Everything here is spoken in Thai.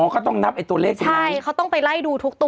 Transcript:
ก็ต้องนับไอ้ตัวเลขใช่ไหมใช่เขาต้องไปไล่ดูทุกตัว